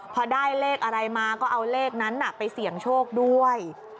พอได้เลขอะไรมาก็เอาเลขนั้นไปเสี่ยงโชคด้วย